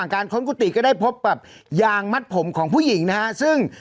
ค้นกุฏิก็ได้พบแบบยางมัดผมของผู้หญิงนะฮะซึ่ง